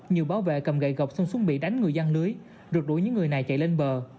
nhiều bảo vệ cầm gậy gọc xong xuống bị đánh người dân lưới rượt đuổi những người này chạy lên bờ